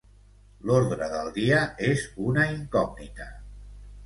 L'ordre del dia és una incògnita.